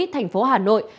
thành phố hà nội